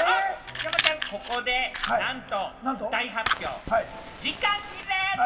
山ちゃん、ここでなんと大発表、時間切れ！